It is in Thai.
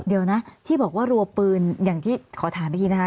เดี๋ยวนะที่บอกว่ารัวปืนอย่างที่ขอถามเมื่อกี้นะคะ